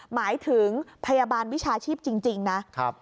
หมายถึงพยาบาลวิชาชีพจริงนะ